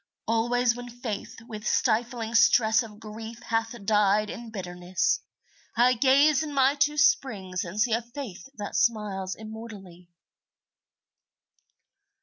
Always when Faith with stifling stress Of grief hath died in bitterness, I gaze in my two springs and see A Faith that smiles immortally.